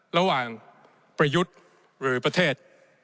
ระหว่างประยุทธ์หรือประเทศ